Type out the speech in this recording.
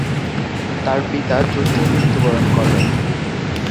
তার পিতা যুদ্ধে মৃত্যুবরণ করেন।